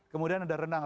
kemudian ada renang